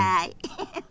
フフフ。